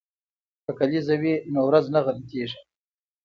که کلیزه وي نو ورځ نه غلطیږي.